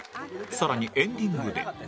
更にエンディングで